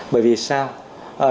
bởi vì sao